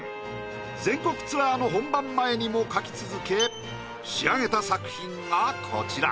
全国ツアーの本番前にも描き続け仕上げた作品がこちら。